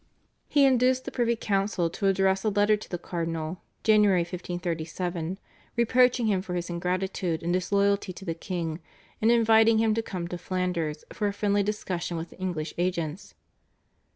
He induced the privy council to address a letter to the cardinal (Jan. 1537) reproaching him for his ingratitude and disloyalty to the king, and inviting him to come to Flanders for a friendly discussion with the English agents.